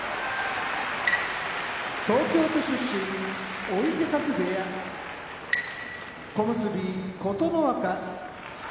東京都出身追手風部屋小結・琴ノ若千葉県出身